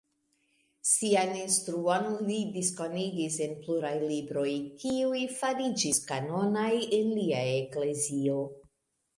Sian instruon li diskonigis en pluraj libroj, kiuj fariĝis kanonaj en lia eklezio.